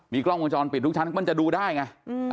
กล้องวงจรปิดทุกชั้นมันจะดูได้ไง